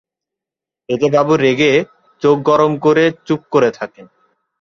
এতে বাবু রেগে চোখ গরম করে চুপ করে থাকেন।